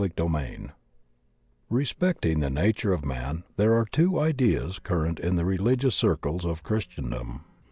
CHAPTER IV RESPECTING the nature of man there are two ideas current in the religious circles of Christen ' dom.